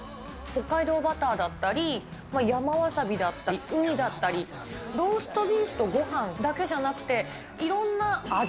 北海道バターだったり、山わさびだったり、ウニだったり、ローストビーフとごはんだけじゃなくて、いろんな味